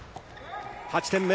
８点目。